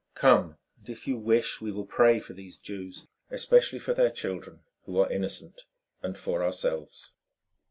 Come, and if you wish we will pray for these Jews, especially for their children, who are innocent, and for ourselves."